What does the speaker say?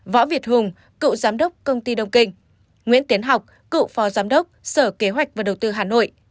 võ việt hùng cựu giám đốc công ty đông kinh nguyễn tiến học cựu phó giám đốc sở kế hoạch và đầu tư hà nội